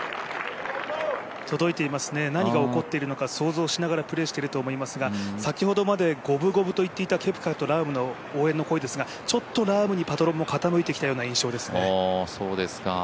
届いていますね、何が起こっているのか想像しながらプレーしていると思いますが先ほどまで五分五分と言っていたケプカとラームの応援の声ですがちょっとラームにパトロンも傾いてきたような印象ですね。